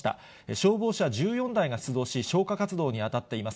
消防車１４台が出動し、消火活動に当たっています。